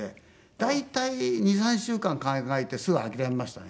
大体２３週間考えてすぐ諦めましたね。